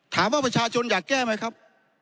ถามว่าประชาชนอยากแก้ไหมครับ